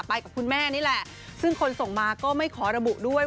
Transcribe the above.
กับคุณแม่นี่แหละซึ่งคนส่งมาก็ไม่ขอระบุด้วย